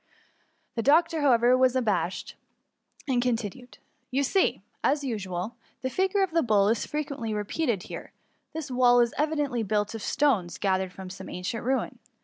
*' The doctor, however, was un abashed, and continued :*^ You see, as usual, the figure of the bull is frequently repeated here. This wall is evidently built of stones gathered from some ancient ruin.